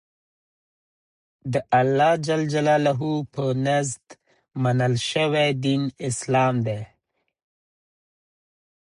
دالله ج په نزد منل شوى دين اسلام دى.